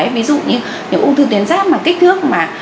ví dụ như những ung thư tuyến giáp mà kích thước